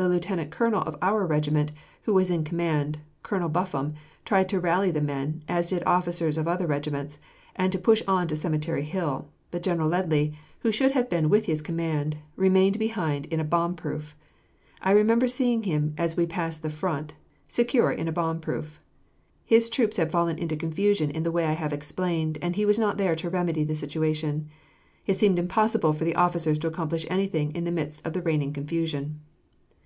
The lieutenant colonel of our regiment, who was in command, Colonel Buffum, tried to rally the men, as did officers of other regiments, and to push on to Cemetery Hill; but General Ledlie, who should have been with his command, remained behind in a bomb proof. I remember seeing him, as we passed the front, secure in a bomb proof. His troops had fallen into confusion in the way I have explained, and he was not there to remedy the situation. It seemed impossible for the officers to accomplish anything in the midst of the reigning confusion.